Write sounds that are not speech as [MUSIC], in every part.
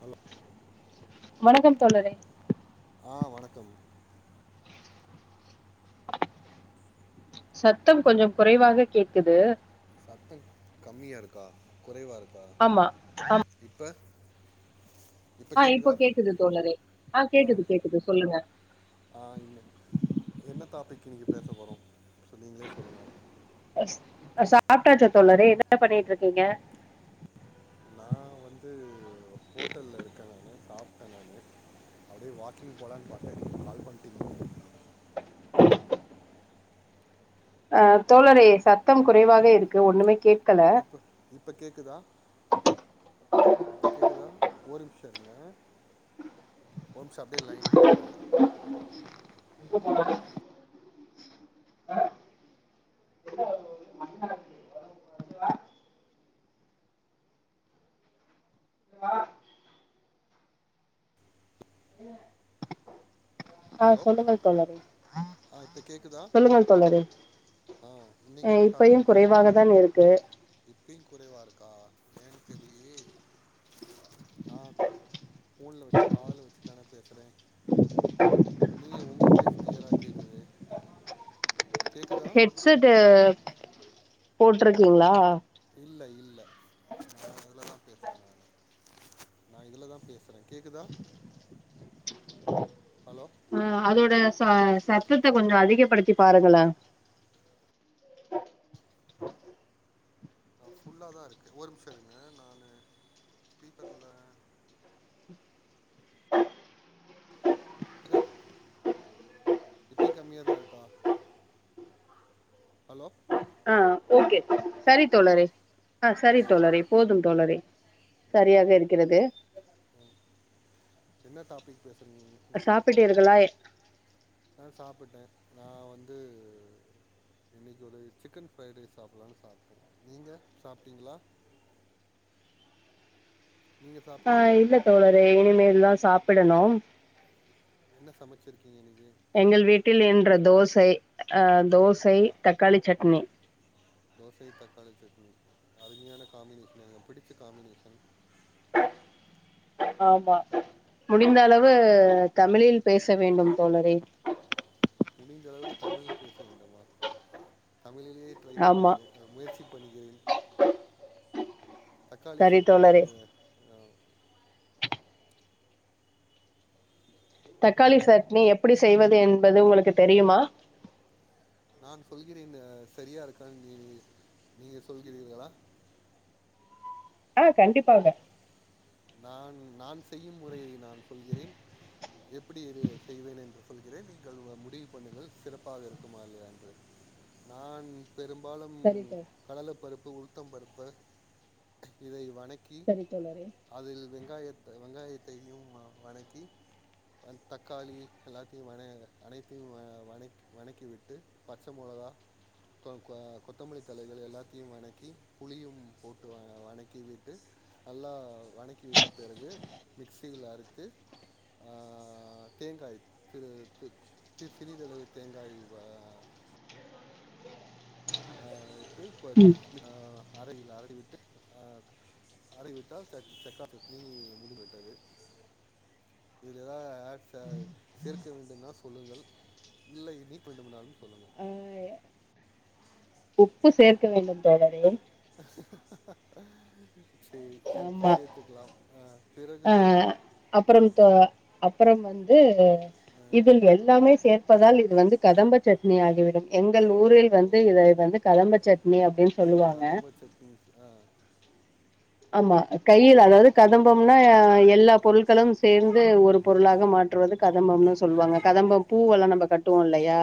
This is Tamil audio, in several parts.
ஹலோ வணக்கம் தோழரே ஆ வணக்கம் சத்தம் கொஞ்சம் குறைவாக கேக்குது சத்த கம்மியா இருக்கா குறைவா இரு ஆமா ஆம் இப்ப கேக்குதா கேக்குது தோழரே ஆ கேக்குது கேக்குது சொல்லுங்க ஆ என்ன தாபிக் இன்னிக் பேச போறோ சோ நீங்களே சொல்லுங்க சாப்ட்டாச்ச தோழரே என்ன பண்ணிட்டு இருக்கீங்க நான் வந்து சாப்ட்டே நானு அப்டியே வாக்கிங் போகலான்னு பார்த்தே நீங் கால் பண்ணிட்டீங்க அ ஹலோ தோழரே சத்தம் குறைவாக இருக்கு ஒண்ணுமே கேட்கல இப்ப கேக்குதா இப்ப கேக்குதா ஒரு நிமிஷம் இருங்க ஒரு ச அப்டியே லைன்ல இருங்க இப்ப போட அ ஆ ஹலோ சொல்லுங்கள் தோழரே ஆ இப்ப கேக்குதா சொல்லுங்கள் தோழரே ஆ இன்னைக்கு அஹ் என்ன இப்பயும் டாப்பிக் பேசலா குறைவாக தான் இருக்கு இப்பயு குறைவா இருக்கா என்னனு தெர்லயே ஆ ஊன்ல வச்சு காதுல வச் தானே பேசுறே நீங்க உங் உங்க வாய்ஸ் கிளியரா கேக்குது ஹெட்செடு போட்டிருக்கீங்களா இல்ல இல்ல நா இதுலதா பேசுறே நா இதுலதா பேசுறே கேக்குதா ஹலோ ஆ அதோட ச சத்தத்த கொஞ்சோ அதிகப்படுத்தி பாருங்களே ஃபுல்லா தா இருக்கு ஒரு நிமிஷோ இருங்க நானு ஸ்பீக்கர்ல குதா இப்பயு கம்மியாதா இருக்கா ஹலோ ஆ ஓகே சரி தோழரே ஆ சரி தோழரே போது தோழரே சரியாக இருக்கிறது என்ன டாப்பிக் பேசுறீங்க இனைக்கு சாப்பிட்டீர்களா நா சாப்பிட்டே நா வந்து இன்னைக்கு ஒரு சிக்கன் ஃப்ரைட் ரைஸ் சாப்பிட்லானு சாப்ட்டே நீங்க சாப்பிட்டீங்களா நீங்கள் ஆ சாப்பிட்டீங்களா இல்ல தோழரே இனிமேல்தா சாப்பிடணு என்ன சமைச்சிருக்கீங்க இனைக்கு ல்ல தோசை அ தோசை தக்காளி ம் சட்னி தோசை தக்காளி சட்னி அருமையான காம்பினேஷன் எனக் பிடிச்ச காம்பினேஷன் ஆமா முடிந்த அளவு தமிழில் பேச வேண்டும் தோழரே முடிஞ்ச அளவுக்கு தமிழ் பேச வேண்டுமா தமிழிலேயே ட்ரை ஆமா பண்ணுகிறேன் முயற்சி பண்ணுகிறேன் தக்காளி சரி சட்னி தோழரே அ தக்காளி சட்னி எப்டி செய்வது என்பது உங்களுக்கு தெரியுமா நான் சொல்கிறேன் சரியா இருக்கான்னு நீ நீங்க சொல்கிறீர்களா ஆ கண்டிப்பாக நான் நான் செய்யும் முறையை நான் சொல்கிறேன் எப்படி இது செய்வேன் என்று சொல்கிறேன் நீங்கள் முடிவு பண்ணுங்கள் சிறப்பாக இருக்குமா இல்லயா என்று நா பெரும்பாலும் சரி தோ கடல பருப்பு உளு த்தம்பருப்பு இதை வணக்கி சரி தோழரே அதில் வெங்காயத்தை வெங்காயத்தையும் வனக்கி தக்காளி எல்லாத்தையும் வன அனைத்தையும் வ வனக்கி விட்டு பச்ச மொளகா தொ க கொத்தமல்லி தழைகள் எல்லாத்தையும் வணக்கி புளியும் போட்டு வ வணக்கி விட்டு நல்லா வனக்கிவிட்ட பிறகு மிக்சியில் அறைத்து அ தேங்காய் திரு திரு சிறிதளவு தேங்காய் வ இது பத் ம். அ அறையில் அரடி விட்டு அ அரைய விட்டால் ச தக்காளி சட்னி மூடி விட்டது இதுல ஏதாவது ஆட் சேர்க்க வேண்டும்னா சொல்லுங்கள் இல்லை நீக்க வேண்டும்னாலு சொல்லுங்கள் ஆ உப்பு சேர்க்க வேண்டும் தோழரே [UNINTELLIGIBLE] சே உப்பு ஆமா சேர்த்துக்கலாம் அ அ அப்புறம் தோ அப் அப்புறம் வந்து இதில் எல்லாமே சேர்ப்பதால் இது வந்து கதம்ப சட்னி ஆகிவிடும் எங் எங்கள் ஊரில் ஓ வந்து இத வந்து கதம்ப சட் நீ அபின் கதம்ப சட்னி ஆ ஆமா தக் கையில் அதாவது கதம்பம்னா எல்லா பொருள்களும் சேர்ந்து ம், ஒரு ம், பொருளாக மாற்றுவது கத கதம்பம்னு ம், சொல்லுவாங்க கதம்பம் ஆ, பூவெல்லா நம கட்டுவோ இல்லையா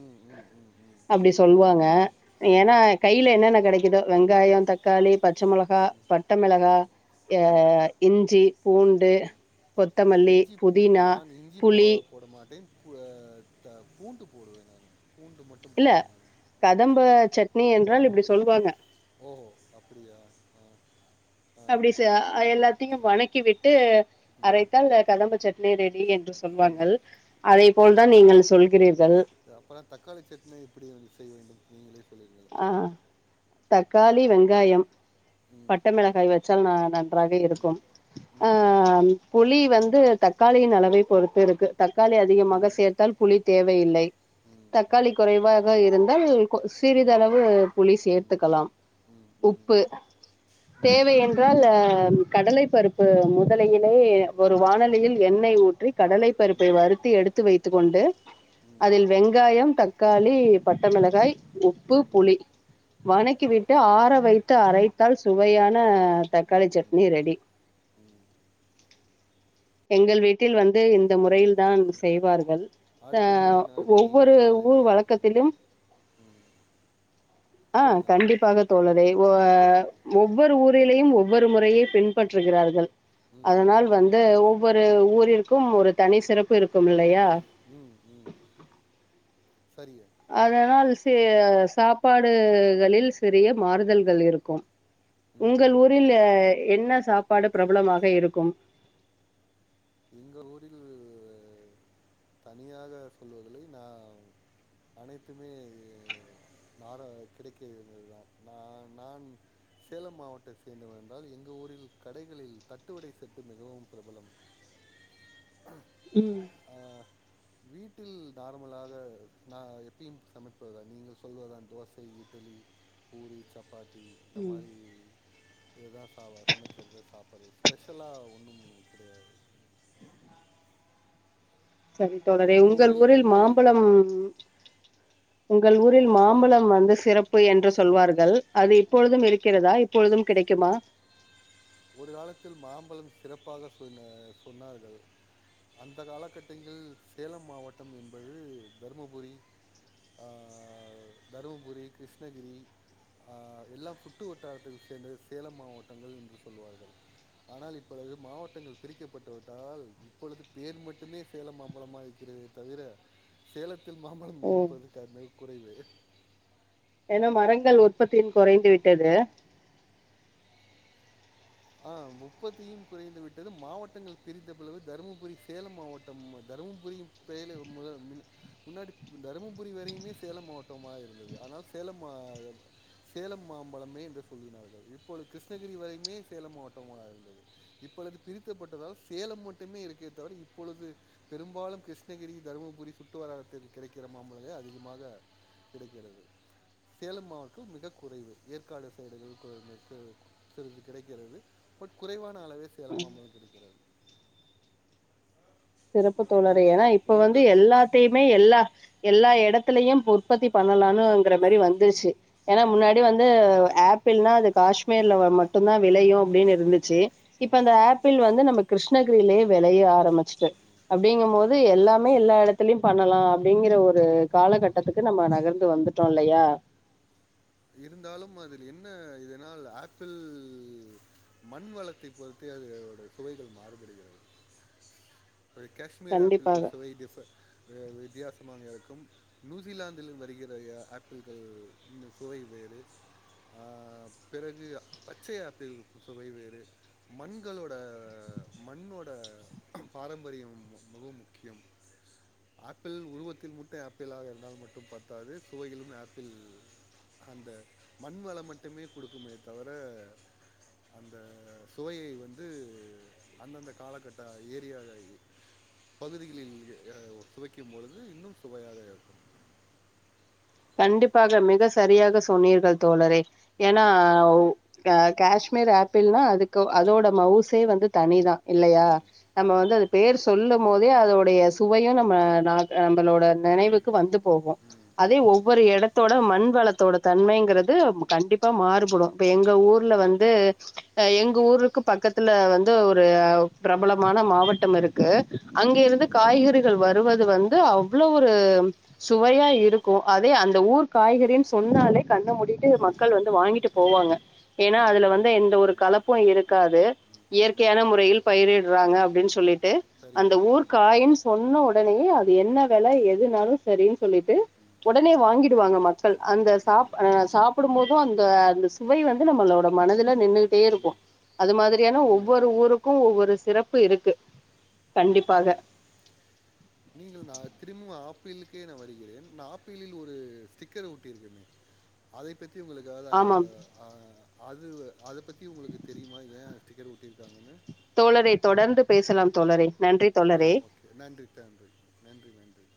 ம், ம், ம், ம், அப்டி சொல்லுவாங்க ம், ம். ஏன்னா கைல என்னன்ன கெடை இதோ வெங்காயோ தக்காளி பச்ச மொளக பட்டமெளகா அ இஞ்சி பூண்டு கொத்தமல்லி இஞ்சி புதினா புளி வ த பூண்டு போடுவே நானு பூண்டு மட்டும் இல்ல போடுவேன் நான் ம். கதம்ப சட்னி என்றால் இப்டி சொல்லுவாங்க ஓ அப்படியா அ அப்டி ச எல்லாத்தையு வணக்கி ம் நே ரெடி என் ம் சொல்வார்கள் அதை போல ம் தான் நீங்கள் சொல்கிறீர்கள் அப்புறம் தக்காளி சட்னி எப்படி செய்ய வேண்டும் நீங்களே சொல்லுங்கள் அ தக்காளி வெங்காயம் ம் பட்டைமெளகாய் வச் த நா நன் நன்றாக இருக்கும் ம் ஆ ம் புளி வந்து தக்காளியின் அளவை பொறுத்து இருக்கு தக்காளி அதிகமாக ம் சேர்த்தால் புளி தேவையில்லை தக்காளி குறைவாக இருந்தால் கொ சிறிதளவு புளி சேர்த்துக்கலாம் உப்பு தேவை என்றால் அ கடலை பருப்பு மு டலையிலே ஒரு வானல் லியில் எண்ணெய் ஊற்றி கடலை பருப்பை வருத்து எடுத்து வைத் த்து கொண்டு அதில் வெங்காயம் தக்காளி பட்டமிளகாய் உப்பு புளி வனக்கி விட்டு ஆற வைத்து அரைத்து தால் சுவையான தக்காளி சட்னி ரெடி எங்கள் வீட்டில் வந்து இந்த முறையில் தான் செய்வார்கள் அ அடுத்த முறை நான் நீங்கள் ஒவ்வொரு சொல்வதை ஊர் ட்ரை பண்ணுறேன் வழக்கத்திலும் ம், ம். ஆ சொல்லுங்கள் கண்டிப்பாக தோழரே ஒ ஒவ்வொரு ஊரிலையும் ஒவ்வொரு முறையே பின்பற்றுகிறார்கள் ம் அதனால் ம் வந்து ஊ ஒரு ஊர் இருக்கும் ஒரு தனி சிறப்பு இருக்கும் இல்லையா ம் ம் சரி அதனால் சே சாப்பாடுகளில் சிறிய மாறுதல்கள் இருக்கும் ம் உங்கள் ஊரில் அ என்ன சாப்பாடு பிரபலமாக இருக்கும் எங்க ஊரில் அ சொல்வதிலை நான் அனைத்துமே நானு கிடைக்க இருந்ததுதா நான் நான் சேலம் மாவட்டத்தை சேர்ந்தவ என்றால் எங்க ஊரில் கடைகளில் தட்டுவடை சட்டு மிகவும் பிரபலம் ம் ஆஹ், வீட்டில் நார்மலாக நா எப்பியு சமைப்பதா நீங்க சொல்வ தா தோசை இட்லி பூரி சப் த்தி இந்த ம் மாரி இதுதா ச சமைக்கிறதுதே சாப்பிடடுறது ஸ்பெஷலா ஒன்னு கிடையாது சரித்தோழரே உங்கள் ஊரில் மாம்பழம் உங்கள் ஊரில் மாம்பழம் வந்து சிறப்பு என்று சொ சொல்வார்கள் அது இப்பொழுதும் இருக்கிறதா இப்பொழுதும் கிடைக்குமா ஒரு காலத்தில் மாம்பழம் சிறப்பாக சொ சொன்னார்கள் அந்த காலகட்டங்கள் சேல மாவட்டம் என்பது தருமபுரி அ தருமபுரி கிருஷ்ணகிரி அ எல்லா சுற்று வட்டாரத்தைச் சேர்ந்து சேல மாவட்டங்கள் என்று சொல்வார்கள் ஆனால் இப்பொழுது மாவட்டங்கள் பிரிக்கப்பட்டுவிட்டால் இப்பொழுது பேர் மட்டுமே சேல மாம்பழமாக இருக்கிறதுதை தவிர சேலத் த்தில் மாம்பழம் ஓ இருப்பது [UNINTELLIGIBLE] குறைவே ஏன்னா மரங்கள் உற்பத்தின் குறைந்து விட்டது ஆ முப்பத்தியு குறைந்து விட்டது மாவட்டங்கள் பிரிந்தபழுவு தருமபுரி சேல மாவட்டம் தருமபுரிய பெய முதல் முன்னாடி தருமபுரி வரையுமே சேல மாவட்டமா இருந்தது ஆனால் சேலம் சேல மாம்பழமே என்று சொல்லினார்கள் இப்போது கிருஷ்ணகிரி வரையுமே சேல மாவட்டமாக இருந்தது இப்பொழுது பிரித்தப்பட்டதால் சேல மட்டுமே இருக்கே தவிர இப்பொழுது பெரும்பாலு கிருஷ்ணகிரி தருமபுரி சுற்றுவட்டாரத்திற்கு கிடைக்கிற மாம்பழ அதிகமாக கிடைக்கிறது சேல மாவட்ட மிக குறைவு ஏற்காடு சைடுகள் [UNINTELLIGIBLE] கிடைக்கிறது பட் குறைவான அளவே ஆ சேலமாம்பழ கிடைக்கிறது சிறப்பு தோழரே உங்கள் ஏன்னா இப்ப வந்து உங்கள் எல்லாத்தையுமே எல்லா எல்லா இட இடத்திலையு இப்ப உற்பத்தி பண்ணலானுங்குற மாரி வந்துருச்சு ஏன்னா முன்னாடி வந்து ஆமாம் ஆப்பிள்னா அது காஷ்மீர்லவா மட்டுந்தா விளையு அப்பிடின்னு இருந்துச்சு இப்ப அந்த ஆப்பிள் வந்து நமக் கிருஷ்ணகீரியிலேயே விளைய ஆரமிச்சுட்டு அப்பிடிங்கும் போது எல்லாமே எல்லா இடத்துலயு பண்ணலா அப்பிடிங்கிற ஒரு காலகட்டத்துக்கு நம்ம நகர்ந்து வந்துட்டோ இல்லையா இருந்தாலும் அதில் என்ன இதனால் ஆப்பிள் மண் வளத்தை பொறுத்தே அதையோட சுவைகள் மாறுபடுகிறது ஒரு கேஷ்மெரி ஆப்பிள் [UNINTELLIGIBLE] கண்டிப்பாக க்குமாக இருக்கு நியூசிலாந்தில் வருகிற ஆப்பிள்கள் இன் சுவை வேறு ஆ பிறகு பச்சை ஆப்பிள் சுவை வேறு மண்களோட மண்ணோட பாரம்பரிய முக முக்கியம் ஆப்பிள் உருவத்தில் முட்டு ஆப்பிளாக இருந்தாலு மட்டு பாத்தாது சுவையிகலும் ஆப்பிள் அந்த மண் வள மட்டுமே குடுக்குமே தவர அந்த சுவையை வந்து அந்தந்த காலகட்ட ஏரியாயி பகுதிகளில் ஆ சுவைக்கும் பொழுது இன்னும் சுவையாக இருக்கும் கண்டிப்பாக மிக சரியாக சொன்னீர்கள் தோழரே ஏன்னா உ அ கேஷ்மேர் ஆப்பிள்னா அதுக்கு அதோட மௌவுசே வந்து தனிதா இல்லையா ம் நம்ம வந்து ஆமாம் அது பேர் சொல்ல போதே அதோடைய சுவையு நம்ம ம் நாக் நம்புளோட நெனைவுக்கு வந்து போகு அதே ஒவ் ஒவ்வொரு எடத்தோட மண் வளத்தோட தன்மைங்கிறது கண்டிப்பாக மாறுபடு ம், இப்ப எங்க ஊர்ல ம், வந்து எங்க ஊருக்கு பக்கத்தில்ல வந்து ஒரு ஆ பிரபலமான மாவட்டம் இருக்கு ம், அங்கேருந்து காய்கறிகள் வருவது வந்து அவ்ளோ ஒரு சுவையா இருக்கு அதே அந்த ஊர் காய்கறின் சொன்னாலே கண்ண மூடிட்டு மக்கள் வந்து வாங்கிட்டு போவாங்க ஏன்னா அதுல வந்து ம், எந்த ஒரு கலப்பு இருக் க்காது ம். இயற்கையான முறையில் பயிரிடுறாங்க அப்பிடின் சொல்லிட் ட்டு சரி அந்த ஊர் ம் காயம் சொன்ன உ உடனயே அது என்ன வில ம் ம் எதுனாலு செரின் சொல்லிட்டு உடனே ம் வாங்கிடுவாங்க ம் மக்கள் அந்த சாப் அ ம் சாப்பிடும் போது அந்த அந்து சுவை வந்து நம்மளோட மனதுல நின்னுட்டே இருக்கு ம் அது மாதிரியான ம் ம் ஒவ்வொரு ஊருக்கு ஒவ்வொரு சிறப்பு இருக்கு கண்டிப்பாக நீங்கள் நா திரும்பு ஆப்பிலுக்கே நா வருகிறேன் ஆப்பிளில் ஒரு ஸ்டிக்கர் ஒட்டியிருக்குமே அதை பத்தி உங்குளுக் அத ஆமாம் ஆ அதுவே அத பத்தி உங்களுக்கு தெரியுமா ஏ அத டிக்கர் ஒட்டியிருக்காங்கன்னு தோழரே தொடர்ந்து பேசலா தோழரே நன்றி ஆ தோழரே ஓகே நன்றி தன்றி நன்றி நன்றி